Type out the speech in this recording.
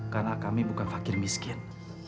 karena kami bukan fakir miskin